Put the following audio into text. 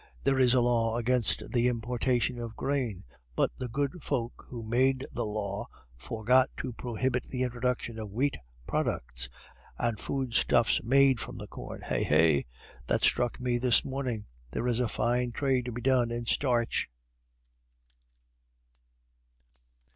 There is a law against the importation of grain, but the good folk who made the law forgot to prohibit the introduction of wheat products and food stuffs made from corn. Hey! hey!... That struck me this morning. There is a fine trade to be done in starch."